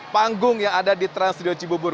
panggung yang ada di trans studio cibubur